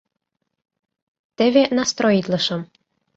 — Теве настроитлышым.